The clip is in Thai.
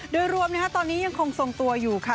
โดยรวมตอนนี้ยังคงทรงตัวอยู่ค่ะ